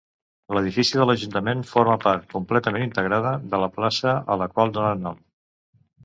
L'edifici de l'Ajuntament forma part, completament integrada, de la plaça a la qual dóna nom.